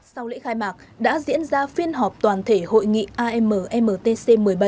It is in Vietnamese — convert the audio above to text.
sau lễ khai mạc đã diễn ra phiên họp toàn thể hội nghị ammtc một mươi bảy